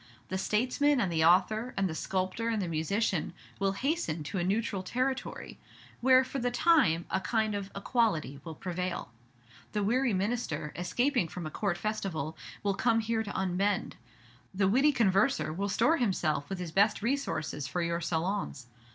The statesman and the author, and the sculptor and the musician, will hasten to a neutral territory, where for the time a kind of equality will prevail. The weary minister, escaping from a Court festival, will come here to unbend; the witty converser will store himself with his best resources for your salons.